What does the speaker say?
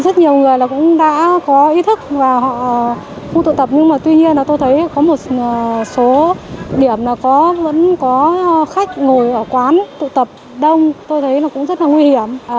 tôi thấy có một số điểm là vẫn có khách ngồi ở quán tụ tập đông tôi thấy nó cũng rất là nguy hiểm